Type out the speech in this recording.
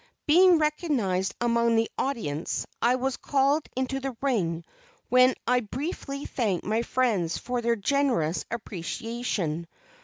Being recognized among the audience, I was called into the ring, when I briefly thanked my friends for their generous appreciation.